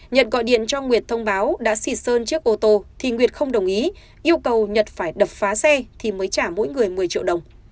nhật gọi điện cho nguyệt thông báo đã xịt sơn trước ô tô thì nguyệt không đồng ý yêu cầu nhật phải đập phá xe thì mới trả mỗi người một mươi triệu đồng